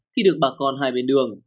khi được bà con hai bên đường